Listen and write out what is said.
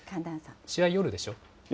試合夜でしょ？